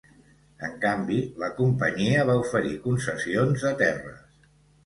En canvi, la companyia va oferir concessions de terres.